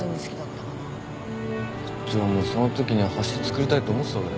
じゃもうそのときには橋造りたいって思ってたわけだ。